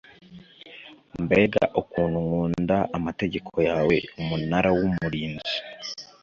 mbega ukuntu nkunda amategeko yawe umunara w umurinzi